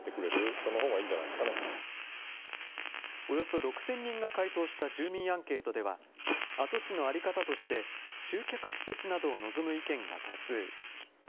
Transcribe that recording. およそ６０００人が回答した住民アンケートでは、跡地の在り方として、集客施設などを望む意見が多数。